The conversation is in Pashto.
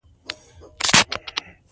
افغانستان د ریګ دښتو له امله مشهور دی.